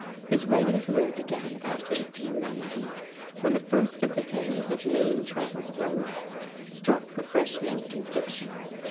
His writing career began about 1890, when the first of the tales of "Main Traveled Roads" struck a fresh note in fiction.